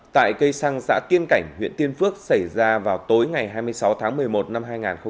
tại cây xăng xã tiên cảnh huyện tiên phước xảy ra vào tối ngày hai mươi sáu tháng một mươi một năm hai nghìn hai mươi ba